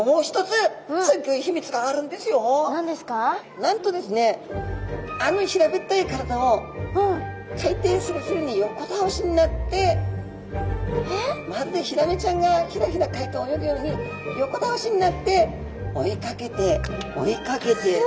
なんとですねあの平べったい体を海底スレスレに横倒しになってまるでヒラメちゃんがヒラヒラ海底を泳ぐように横倒しになって追いかけて追いかけて。